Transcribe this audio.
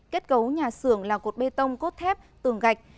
kết cấu nhà xưởng là cột bê tông cốt thép tường gạch